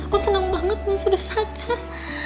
aku seneng banget mas udah sadar